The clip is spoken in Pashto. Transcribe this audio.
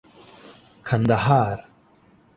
کندهار